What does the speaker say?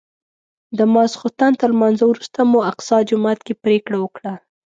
د ماسختن تر لمانځه وروسته مو په اقصی جومات کې پرېکړه وکړه.